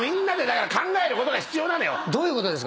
どういうことですか？